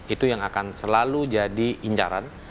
itu yang akan selalu jadi incaran